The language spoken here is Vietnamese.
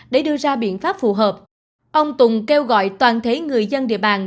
để đưa ra biện pháp phù hợp ông tùng kêu gọi toàn thể người dân địa bàn